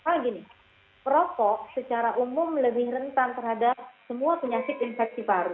karena gini perokok secara umum lebih rentan terhadap semua penyakit infeksi paru